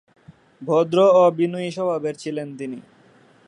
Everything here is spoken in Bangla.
ভদ্র ও বিনয়ী স্বভাবের ছিলেন তিনি।